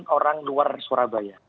sembilan orang luar surabaya